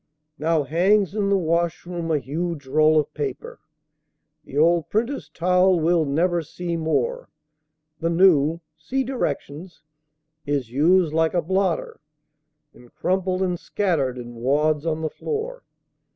Now hangs in the washroom a huge roll of paper The old printer's towel we'll never see more. The new (see directions) is "used like a blotter," And crumpled and scattered in wads on the floor.